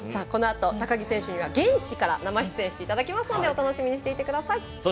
このあと高木選手には現地から出演していただきますのでお楽しみください。